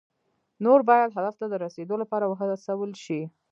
نور باید هدف ته د رسیدو لپاره وهڅول شي.